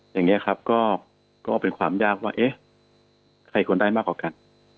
อย่างนี้ครับก็เป็นความยากว่าเอ๊ะใครควรได้มากกว่ากัน